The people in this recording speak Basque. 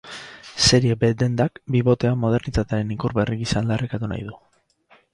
Serie b dendak bibotea modernitatearen ikur berri gisa aldarrikatu nahi du.